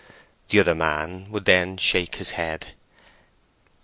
The other man would then shake his head.